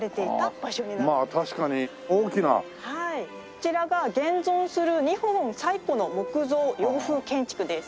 こちらが現存する日本最古の木造洋風建築です。